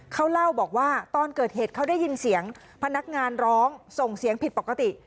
เขาเล่าบอกว่าตอนเกิดเหตุเขาได้ยินเสียงพนักงานร้องส่งเสียงผิดปกติ